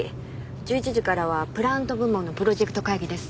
１１時からはプラント部門のプロジェクト会議です。